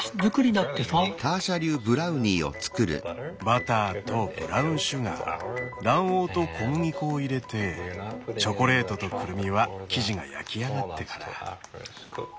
バターとブラウンシュガー卵黄と小麦粉を入れてチョコレートとくるみは生地が焼き上がってから。